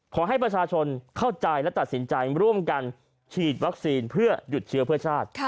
ขอให้ประชาชนเข้าใจและตัดสินใจร่วมกันฉีดวัคซีนเพื่อหยุดเชื้อเพื่อชาติ